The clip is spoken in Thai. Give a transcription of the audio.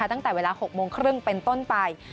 ตั้งแต่เวลา๖โมงครึ่งเป็นต้นไป